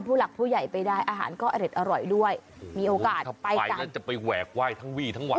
ผู้หลักผู้ใหญ่ไปได้อาหารก็อเล็ดอร่อยด้วยมีโอกาสไปกันจะไปแหวกว่ายทั้งวี่ทั้งวัน